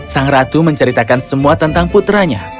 sang ratu menceritakan semua tentang putranya